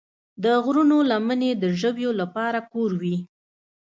د غرونو لمنې د ژویو لپاره کور وي.